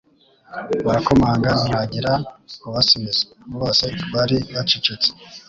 Barakomanga, ntihagira ubasubiza, bose bari bacecetse.